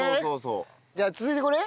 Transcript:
じゃあ続いてこれ？